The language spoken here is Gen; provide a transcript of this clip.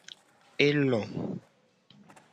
E lo.